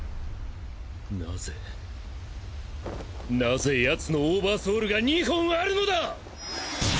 なぜなぜヤツのオーバーソウルが２本あるのだ！？